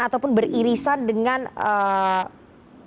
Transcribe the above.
ataupun beririsan dengan fee ataupun pembayaran bagi para petugas tps